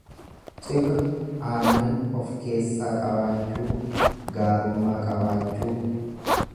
Cibra aannan ofkeessaa qabaachuu. gaarummaa qabaachuu.